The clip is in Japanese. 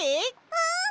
うん！